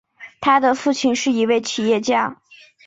他的父亲是一位企业家。